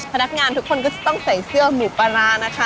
พนักงานทุกคนก็จะต้องใส่เสื้อหมูปลาร้านะคะ